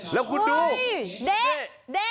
แล้วคุณดูเด๊ะ